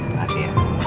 terima kasih ya